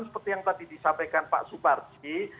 seperti yang tadi disampaikan pak suparji